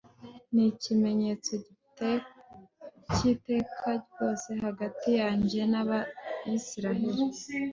Ni ikimenyetso cyiteka ryose hagati yanjye nAbisirayeli